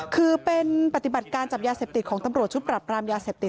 คือเป็นปฏิบัติการจับยาเสพติดของตำรวจชุดปรับปรามยาเสพติด